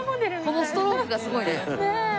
このストロークがすごいね。